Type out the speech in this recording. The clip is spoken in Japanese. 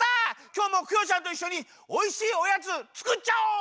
きょうもクヨちゃんといっしょにおいしいおやつつくっちゃお！